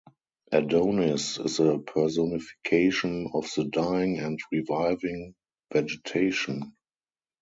Adonis is a personification of the dying and reviving vegetation.